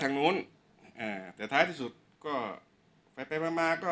ช่างแอร์เนี้ยคือล้างหกเดือนครั้งยังไม่แอร์